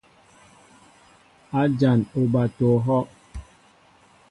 A jan oɓato ohɔʼ.